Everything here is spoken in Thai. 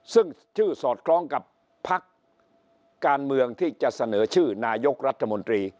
ซึ่งชื่อสอดคล้องกับพักการเมืองที่จะเสนอชื่อนายกรัฐมนตรี